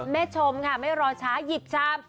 แม่ชมค่ะไม่รอช้าหยิบจำ